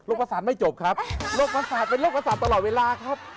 โรคประสาทไม่จบครับเป็นโรคประสาทตลอดเวลาครับ